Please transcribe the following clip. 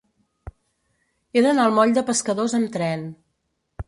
He d'anar al moll de Pescadors amb tren.